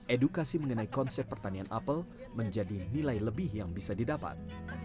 edukasi mengenai konsep pertanian apel menjadi nilai lebih yang bisa didapat